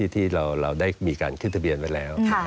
ที่เราได้มีการขึ้นทะเบียนไว้แล้ว